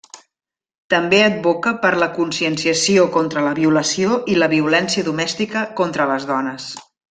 També advoca per la conscienciació contra la violació i la violència domèstica contra les dones.